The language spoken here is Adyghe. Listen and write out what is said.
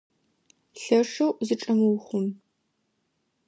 Лъэшэу зычӏэмыухъум!